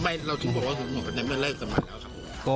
ทำไมเราถึงบอกว่าคุณบอกว่าจะไม่เลิกกันมาแล้วครับ